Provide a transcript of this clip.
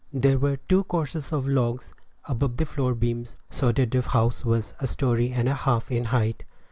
There were two courses of logs above the floor beams, so that the house was a story and a half in height.